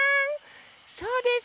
そうです。